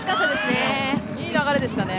いい流れでしたね。